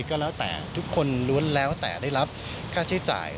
ก็แล้วแต่ทุกคนล้วนแล้วแต่ได้รับค่าใช้จ่าย